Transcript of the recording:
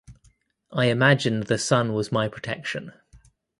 I imagined the sun was my protection.